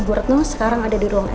ibu retno sekarang ada di ruang icu pak